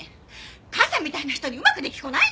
母さんみたいな人にうまく出来っこないのよ！